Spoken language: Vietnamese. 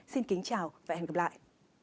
xin kính chào và hẹn gặp lại